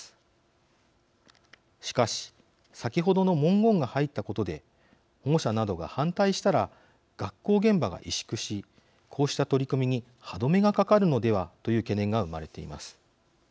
しかし先ほどの文言が入ったことで保護者などが反対したら学校現場が萎縮しこうした取り組みに歯止めがかかるのではという懸念が生まれています。